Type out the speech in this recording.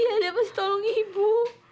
iya dia pasti tolong ibu